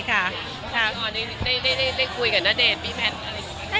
ค่ะเดย์ได้คุยกับณเดชน์พี่แม้นซ์อะไรที่หรือ